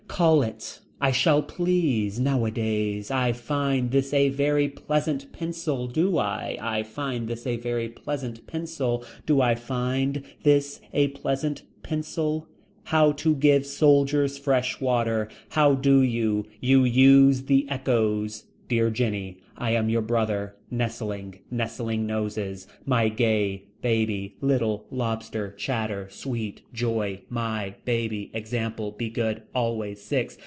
Call it. I shall please. Nowadays. I find this a very pleasant pencil. Do I. I find this a very pleasant pencil. Do I find this a pleasant pencil. How to give soldiers fresh water. How do you. You use the echoes. Dear Jenny. I am your brother. Nestling. Nestling noses. My gay. Baby. Little. Lobster. Chatter. Sweet. Joy. My. Baby. Example. Be good. Always. Six.